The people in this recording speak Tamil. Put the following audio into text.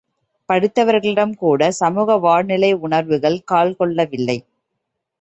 படித்தவர்களிடம் கூட சமூக வாழ்நிலை உணர்வுகள் கால்கொள்ளவில்லை.